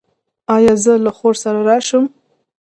ایا زه له خور سره راشم؟